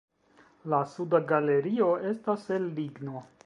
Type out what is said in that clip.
La suda galerio estas el ligno.